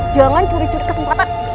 jangan curi curi kesempatan